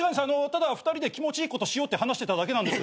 ただ２人で気持ちいいことしようって話してただけなんです。